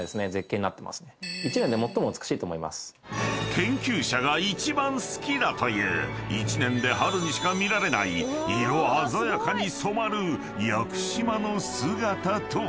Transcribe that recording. ［研究者が「一番好きだ」という一年で春にしか見られない色鮮やかに染まる屋久島の姿とは？］